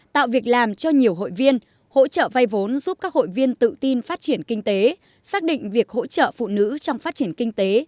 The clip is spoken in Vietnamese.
tạo việc làm cho nhiều hội viên hỗ trợ vay vốn giúp các hội viên tự tin phát triển kinh tế xác định việc hỗ trợ phụ nữ trong phát triển kinh tế